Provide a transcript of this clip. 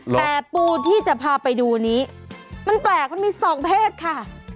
แต่ปูที่จะพาไปดูนี้มันแปลกมันมีสองเพศค่ะ